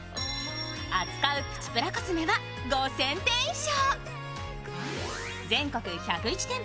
扱うプチプラコスメは５０００点以上。